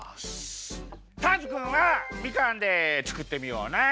ターズくんはみかんでつくってみようね。